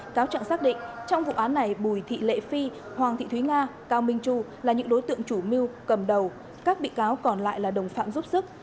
cáo trạng xác định trong vụ án này bùi thị lệ phi hoàng thị thúy nga cao minh chu là những đối tượng chủ mưu cầm đầu các bị cáo còn lại là đồng phạm giúp sức